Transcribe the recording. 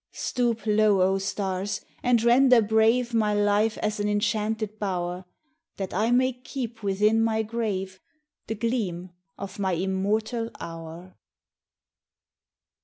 Stoop low, oh stars, and render brave My life as an enchanted bower, That I may keep within my grave The gleam of my immortal hour